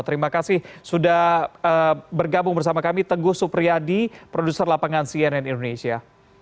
terima kasih sudah bergabung bersama kami teguh supriyadi produser lapangan cnn indonesia